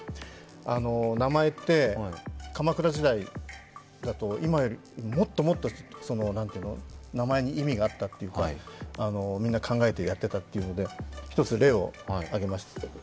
名前って、鎌倉時代だと今よりもっともっと名前に意味があったというか、みんな考えてやっていたというので、１つ例を挙げます。